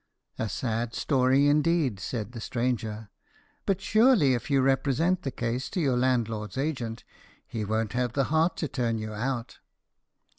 "A sad story, indeed," said the stranger; "but surely, if you represented the case to your landlord's agent, he won't have the heart to turn you out."